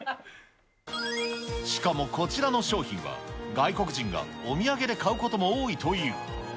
しかもこちらの商品は、外国人がお土産で買うことも多いという。